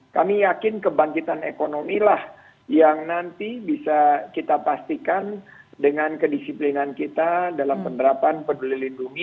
kami yakin kebangkitan ekonomi lah yang nanti bisa kita pastikan dengan kedisiplinan kita dalam penerapan peduli lindungi